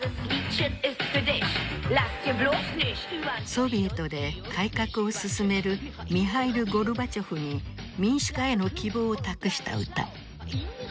ソビエトで改革を進めるミハイル・ゴルバチョフに民主化への希望を託した歌。